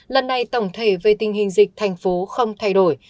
lần này tổng thể về tình hình dịch thành phố không thay đổi